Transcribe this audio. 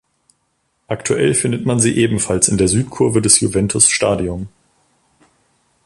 Aktuell findet man sie ebenfalls in der Südkurve des Juventus Stadium.